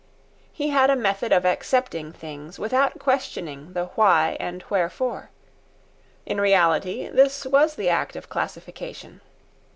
He had a method of accepting things, without questioning the why and wherefore. In reality, this was the act of classification.